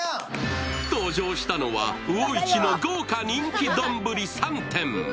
登場したのは、魚一の豪華人気丼３点。